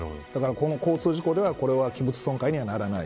この交通事故ではこれは器物損壊にはならない。